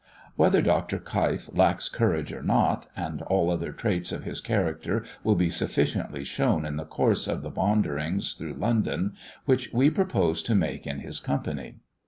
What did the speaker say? Whether Dr. Keif lacks courage or not, and all other traits of his character will be sufficiently shown in the course of the Wanderings through London, which we propose to make in his company.